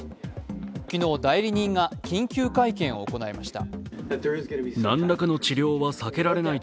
昨日、代理人が緊急会見を行いました。